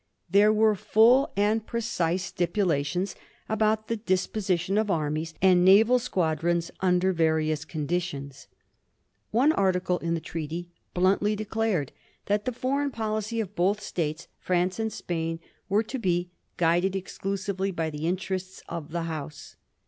There were full and precise 1736. COMPACT B£TW££X THE HOUSES OF BOURBON. 27 Btipulations aboat the disposition of armies and naval squadrons under various conditions. One article in the treaty bluntly declared that the foreign policy of both States, France and Spain, was to be guided exclusively by the interests of the House."